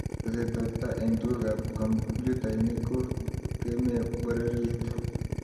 teset ab tai eng tuguk ab komputainik ko kemee pororiet